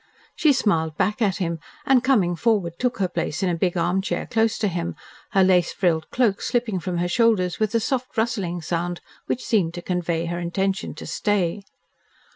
She smiled back at him, and, coming forward took her place in a big armchair close to him, her lace frilled cloak slipping from her shoulders with a soft rustling sound which seemed to convey her intention to stay.